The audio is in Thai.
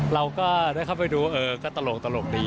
เราก็ได้เข้าไปดูเออก็ตลกดี